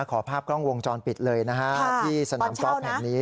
ขอภาพกล้องวงจรปิดเลยนะฮะที่สนามกอล์ฟแห่งนี้